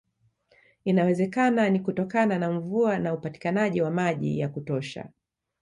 Inawezekana ni kutokana na mvua na upatikanaji wa maji ya kutosha